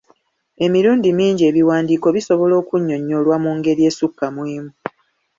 Emirundi mingi ebiwandiiko bisobola okunnyonnyolwa mu ngeri esukka mu emu.